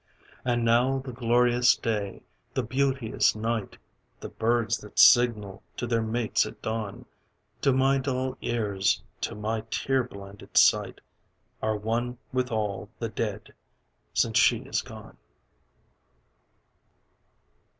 And now the glorious day, the beauteous night, The birds that signal to their mates at dawn, To my dull ears, to my tear blinded sight Are one with all the dead, since she is gone.